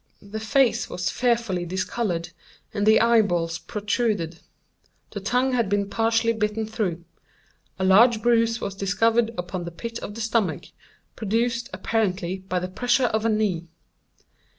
The face was fearfully discolored, and the eye balls protruded. The tongue had been partially bitten through. A large bruise was discovered upon the pit of the stomach, produced, apparently, by the pressure of a knee.